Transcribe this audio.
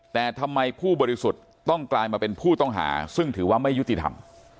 แต่ทำไมผู้บริสุทธิ์ต้องกลายมาเป็นผู้ต้องหาซึ่งถือว่าไม่ยุติธรรม